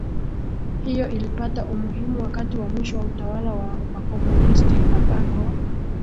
hiyo ilipata umuhimu wakati wa mwisho wa utawala wa Wakomunisti ambako